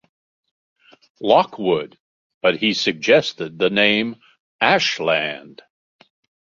Lockwood, but he suggested the name "Ashland".